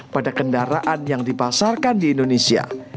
pada kendaraan yang dipasarkan di indonesia